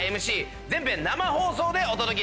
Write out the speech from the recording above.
全編生放送でお届けします。